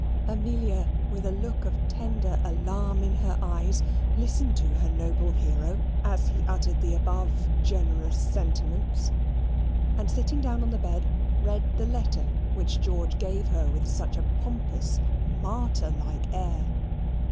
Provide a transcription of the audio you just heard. Amelia, with a look of tender alarm in her eyes, listened to her noble hero as he uttered the above generous sentiments, and sitting down on the bed, read the letter which George gave her with such a pompous martyr like air.